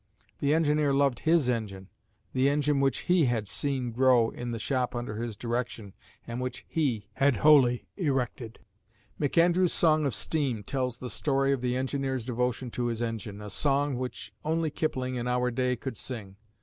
The engineer loved his engine, the engine which he had seen grow in the shop under his direction and which he had wholly erected. McAndrew's Song of Steam tells the story of the engineer's devotion to his engine, a song which only Kipling in our day could sing.